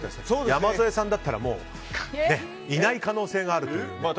山添さんだったらもういない可能性がある。